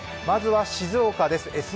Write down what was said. まずは、静岡です。